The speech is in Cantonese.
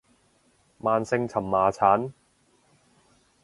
慢性蕁麻疹